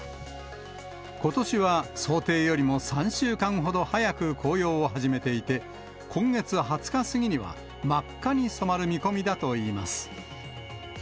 ことしは、想定よりも３週間ほど早く紅葉を始めていて、今月２０日過ぎには、真っ赤に染まる見込みだといいます。